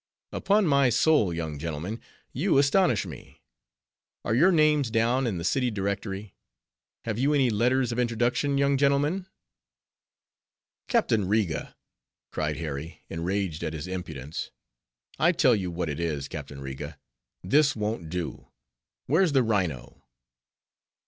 "Upon my soul, young gentlemen, you astonish me. Are your names down in the City Directory? have you any letters of introduction, young gentlemen?" "Captain Riga!" cried Harry, enraged at his impudence—"I tell you what it is, Captain Riga; this won't do—where's the rhino?"